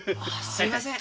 すいません。